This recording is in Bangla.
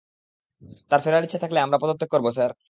তার ফেরার ইচ্ছা থাকলে আমরা পদত্যাগ করবো, স্যার।